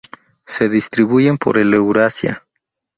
Se distribuyen por el Eurasia.